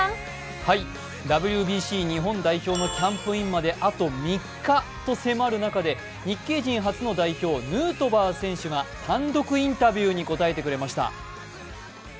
ＷＢＣ日本代表のキャンプインまであと３日と迫る中で、日系人初の代表、ヌートバー選手が単独インタビューに応えてくれました。